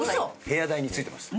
部屋代に付いてます。